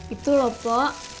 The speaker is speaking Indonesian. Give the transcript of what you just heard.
itu loh po